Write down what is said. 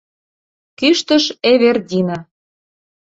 — кӱштыш Эвердина.